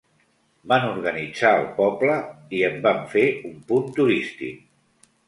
Van organitzar el poble i en van fer un punt turístic.